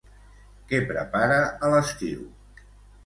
Què prepara a l'estiu?